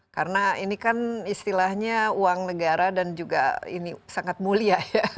karena ini kan istilahnya uang negara dan juga ini sangat mulia ya